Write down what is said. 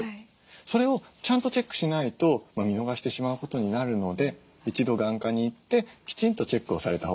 それをちゃんとチェックしないと見逃してしまうことになるので一度眼科に行ってきちんとチェックをされたほうがいい。